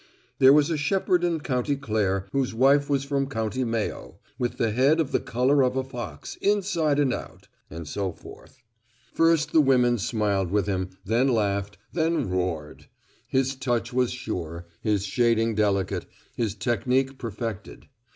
There was a shepherd in County Clare whose wife was from County Mayo, with the head of the color of a fox, inside and out. And so forth. First the women smiled with him, then laughed, then roared. His touch was sure, his shading delicate, his technique perfected.